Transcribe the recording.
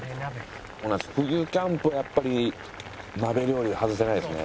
冬キャンプはやっぱり鍋料理は外せないですね。